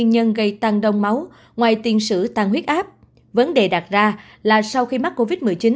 ngoài tiền sử tăng huyết áp vấn đề đặt ra là sau khi mắc covid một mươi chín